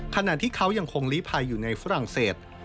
ขณะที่เขายังคงลีภัยอยู่ในฝรั่งเศส